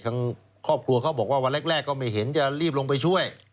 ทางครอบครัวเขาบอกว่าวันแรกก็ไม่เห็นจะรีบลงไปช่วย